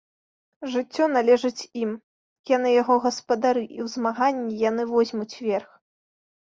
Жыццё належыць ім, яны яго гаспадары і ў змаганні яны возьмуць верх.